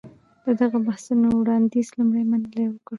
د دغو بحثو وړانديز لومړی منلي وکړ.